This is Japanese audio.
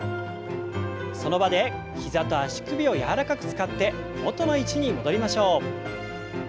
その場で膝と足首を柔らかく使って元の位置に戻りましょう。